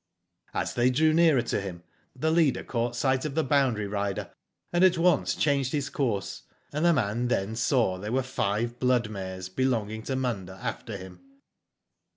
As they drew nearer to him, the leader caught sight of the boundary rider and at once changed his course, and the man then saw there were five blood mares belonging to Munda after him.